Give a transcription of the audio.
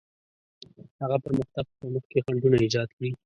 هغه پرمختګ په مخ کې خنډونه ایجاد کړي.